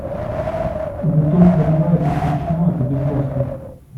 Вы только одеваетесь мрачновато, без лоска.